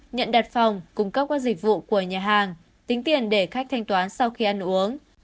nhận đặt phòng cung cấp các dịch vụ của nhà hàng tính tiền để khách thanh toán sau khi ăn uống